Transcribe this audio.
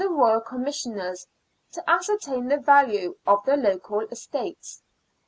Royal Commissioners to ascertain the value of the local estates.